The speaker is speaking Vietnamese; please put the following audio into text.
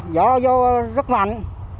gió vô rất mạnh